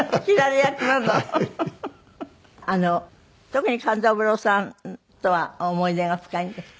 特に勘三郎さんとは思い出が深いんですって？